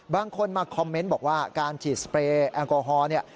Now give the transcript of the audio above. บางคนมาคอมเมนต์บอกว่าการฉีดสเปรย์แอลกอฮอล์เนี่ย